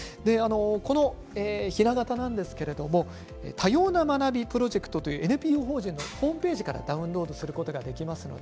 こちらのひな型は多様な学びプロジェクトというＮＰＯ法人のホームページからダウンロードすることができます。